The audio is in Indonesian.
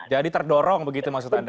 jadi terdorong begitu maksud anda